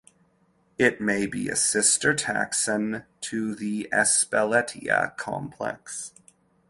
It may be a sister taxon to the "Espeletia" complex.